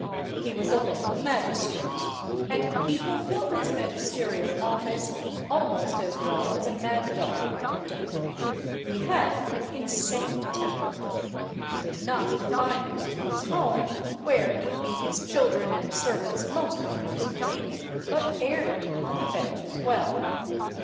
He was a local magistrate, and he fulfilled his magisterial office almost as well as a mad dog might have done. He had an insane temper. He did not confine this to his home where he beat his children and servants most unmercifully but aired it on the bench as well.